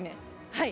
はい。